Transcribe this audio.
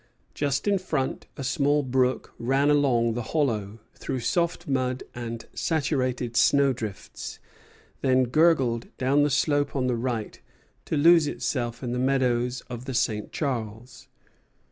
Just in front, a small brook ran along the hollow, through soft mud and saturated snowdrifts, then gurgled down the slope on the right, to lose itself in the meadows of the St. Charles.